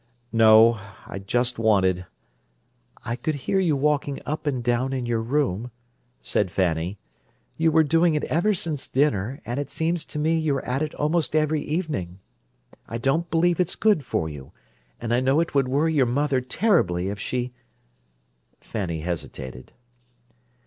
"No. I just wanted—" "I could hear you walking up and down in your room," said Fanny. "You were doing it ever since dinner, and it seems to me you're at it almost every evening. I don't believe it's good for you—and I know it would worry your mother terribly if she—" Fanny hesitated.